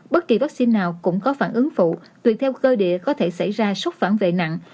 bất kỳ vaccine nào cũng có phản ứng phụ tuyệt theo cơ địa có thể xảy ra sốc phản vệ nặng